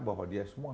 bahwa dia semua